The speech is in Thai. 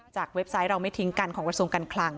เว็บไซต์เราไม่ทิ้งกันของกระทรวงการคลัง